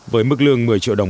với mức lương một mươi triệu đồng